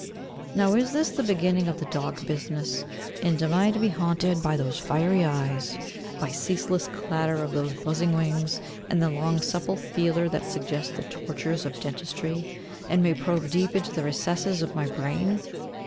Now is this the beginning of the dog business, and am I to be haunted by those fiery eyes, by the ceaseless clatter of those buzzing wings, and the long supple feeler that suggests the tortures of dentistry, and may probe deep into the recesses of my brain?